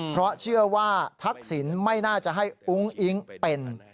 เพราะเชื่อว่าทักษิณไม่น่าจะให้อุ้งอิ๊งเป็น